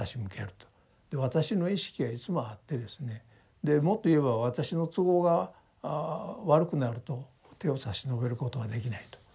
で私の意識がいつもあってですねでもっと言えば私の都合が悪くなると手を差し伸べることができないと。